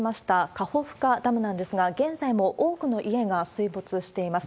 カホフカダムなんですが、現在も多くの家が水没しています。